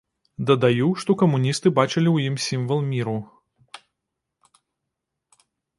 Дадаю, што камуністы бачылі ў ім сімвал міру.